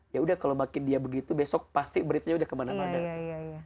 ya udah kalau makin dia begitu besok pasti beritanya udah kemana mana